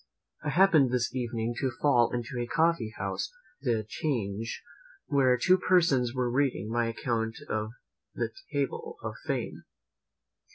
I happened this evening to fall into a coffee house near the 'Change, where two persons were reading my account of the "Table of Fame."